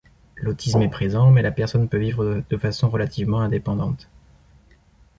L'autisme est présent, mais la personne peut vivre de façon relativement indépendante.